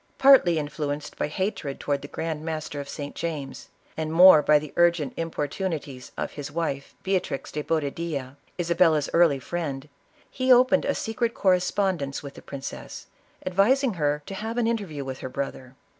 Partly influenced by hatred towards the grand master of St. James, and more by the urgent importunities of his wife, Bcatriz de Boba dilla, Isabella's early friend, he opened a secret cor respondence with the princess, advising her to have an interview with her brother.